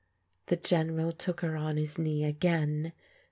*' The General took her on his knee again.